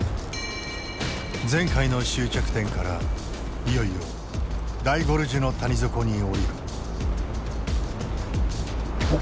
前回の終着点からいよいよ大ゴルジュの谷底に降りる。